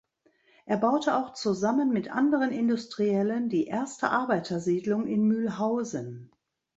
Er baute auch zusammen mit anderen Industriellen die erste Arbeitersiedlung in Mühlhausen.